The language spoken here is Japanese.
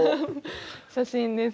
写真です。